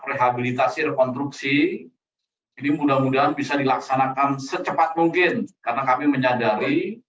rehabilitasi rekonstruksi ini mudah mudahan bisa dilaksanakan secepat mungkin karena kami menyadari